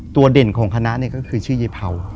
ตัวเด่นของคณะก็คือชื่อเยเภา